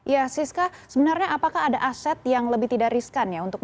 iya siska sebenarnya apakah ada aset yang lebih tidak riskan ya untuk mengembangkan